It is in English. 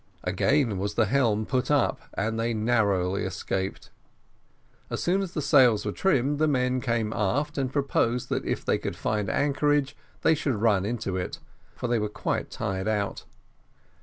Again was the helm put up, and they narrowly escaped. As soon as the sails were trimmed, the men came aft, and proposed that if they could find anchorage, they should run into it, for they were quite tired out.